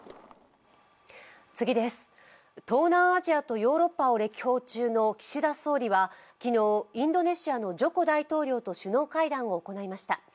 東南アジアとヨーロッパを歴訪中の岸田総理は昨日、インドネシアのジョコ大統領と首脳会談を行いました。